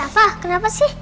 apa kenapa sih